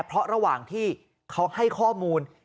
เพราะระหว่างที่เขาให้ข้อมูล